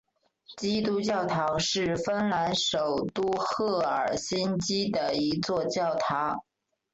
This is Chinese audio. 基督教堂是芬兰首都赫尔辛基的一座教堂。